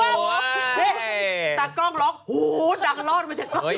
ตากล้องร้องโอ้โฮตากล้อนมาจากตากล้อง